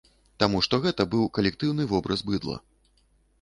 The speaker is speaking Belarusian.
Таму што гэта быў калектыўны вобраз быдла.